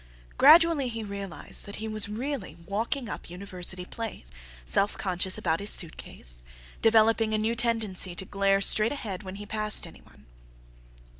Gradually he realized that he was really walking up University Place, self conscious about his suitcase, developing a new tendency to glare straight ahead when he passed any one.